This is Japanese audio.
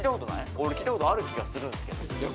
俺聞いたことある気がするんですけどいや